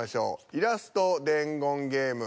イラスト伝言ゲーム